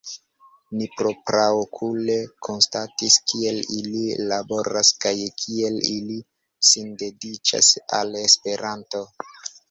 Ni propraokule konstatis kiel ili laboras kaj kiel ili sindediĉas al Esperanto.